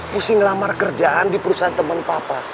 pusing ngelamar kerjaan di perusahaan temen papa